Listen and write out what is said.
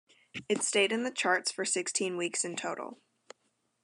It stayed in the charts for sixteen weeks in total.